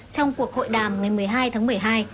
trong cuộc hội đàm ngày một mươi hai tháng một mươi hai